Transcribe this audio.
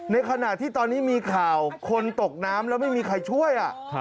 ในขณะที่ตอนนี้มีข่าวคนตกน้ำแล้วไม่มีใครช่วย